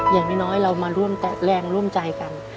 อย่างน้อยเรามาร่วมแรงร่วมใจกัน